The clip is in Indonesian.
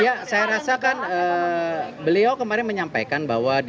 ya saya rasa kan beliau kemarin menyampaikan bahwa